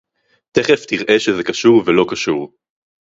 תיכף תראה שזה קשור ולא קשור